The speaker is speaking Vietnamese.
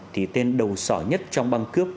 thì tên đầu sỏi nhất trong băng cướp